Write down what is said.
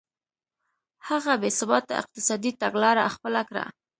هغه بې ثباته اقتصادي تګلاره خپله کړه.